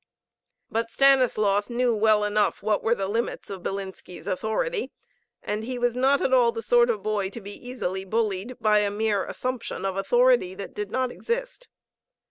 But Stanislaus knew well enough what were the limits of Bilinski's authority and he was not at all the sort of boy to be easily bullied by a mere assumption of authority that did not exist.